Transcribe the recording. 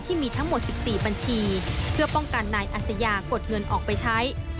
ที่มีทั้งหมด๑๔บัญชีเพื่อป้องกันนายอัศยากดเงินออกไปใช้